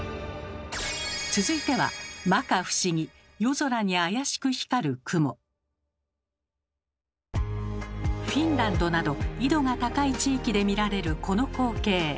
続いてはフィンランドなど緯度が高い地域で見られるこの光景。